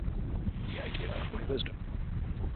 The idea of my wisdom!